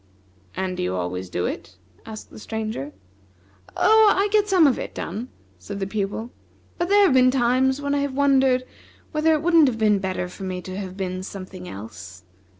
"And do you always do it?" asked the Stranger. "Oh, I get some of it done," said the Pupil; "but there have been times when I have wondered whether it wouldn't have been better for me to have been something else.